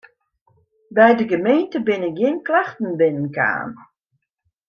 By de gemeente binne gjin klachten binnen kaam.